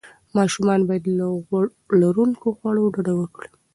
ماشومان باید له غوړ لروونکو خوړو ډډه وکړي.